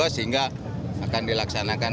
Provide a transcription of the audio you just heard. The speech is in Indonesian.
sehingga akan dilaksanakan